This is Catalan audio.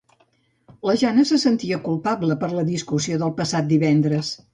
La Jana se sentia culpable per la discussió del passat divendres.